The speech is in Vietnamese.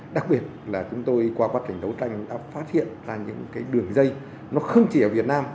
đặc biệt là chúng tôi qua quá trình đấu tranh đã phát hiện ra những cái đường dây nó không chỉ ở việt nam